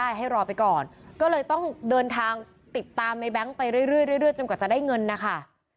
ให้รอไปก่อนก็เลยต้องเดินทางติดตามในแบงค์ไปเรื่อยจนกว่าจะได้เงินนะคะ